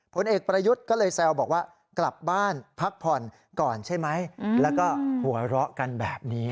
ผลเอกประยุทธ์ก็เลยแซวบอกว่ากลับบ้านพักผ่อนก่อนใช่ไหมแล้วก็หัวเราะกันแบบนี้